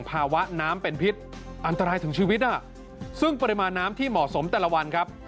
ผมแต่ละวันครับ